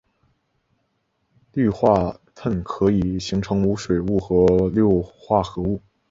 氯化铽可以形成无水物和六水合物。